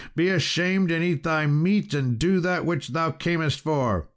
be ashamed, and eat thy meat, and do that which thou camest for."